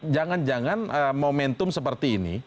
jangan jangan momentum seperti ini